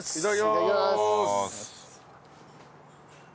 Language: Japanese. いただきます。